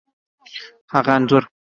هغه انځور،